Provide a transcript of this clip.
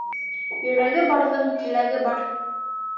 Йөрәге барҙың теләге бар.